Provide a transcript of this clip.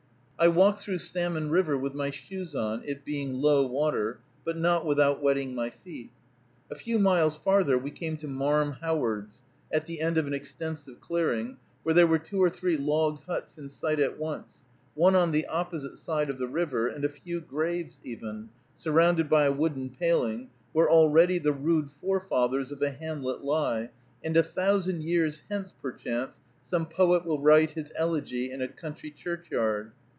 I walked through Salmon River with my shoes on, it being low water, but not without wetting my feet. A few miles farther we came to "Marm Howard's," at the end of an extensive clearing, where there were two or three log huts in sight at once, one on the opposite side of the river, and a few graves even, surrounded by a wooden paling, where already the rude forefathers of a hamlet lie, and a thousand years hence, perchance, some poet will write his "Elegy in a Country Churchyard."